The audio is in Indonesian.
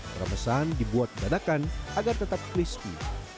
permesan dibuat dadakan agar tetap crispy